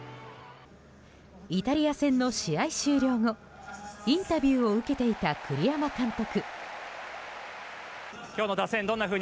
イタリア戦の試合終了後インタビューを受けていた栗山監督。